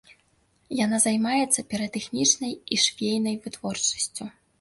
Яна займаецца піратэхнічнай і швейнай вытворчасцю.